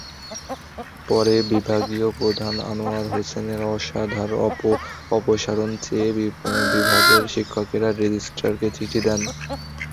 পরে বিভাগীয় প্রধান আনোয়ার হোসেনের অপসারণ চেয়ে বিভাগের শিক্ষকেরা রেজিস্ট্রারকে চিঠি দেন।